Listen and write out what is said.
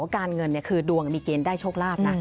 การเงินคือดวงมีเกณฑ์ได้โชคลาภนะ